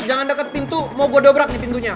jangan deket pintu mau gue dobrak nih pintunya